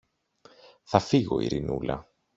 Θα φύγω, Ειρηνούλα.